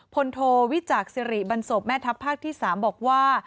โทวิจักษ์สิริบันศพแม่ทัพภาคที่๓บอกว่า